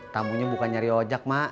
tamunya bukan nyari ojek mak